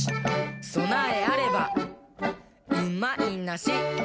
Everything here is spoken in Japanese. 「そなえあればうまいなし！」